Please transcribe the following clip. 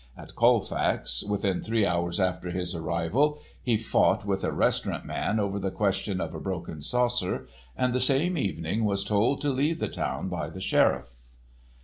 At Colfax, within three hours after his arrival, he fought with a restaurant man over the question of a broken saucer, and the same evening was told to leave the town by the sheriff.